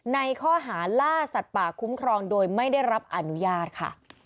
ในข้อหาล่าสัตว์ป่าคุ้มครองโดยไม่ได้รับอนุญาตค่ะ